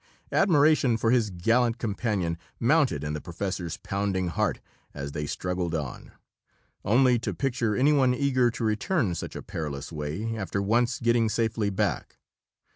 Admiration for his gallant companion mounted in the professor's pounding heart, as they struggled on. Only to picture anyone eager to return such a perilous way, after once getting safely back!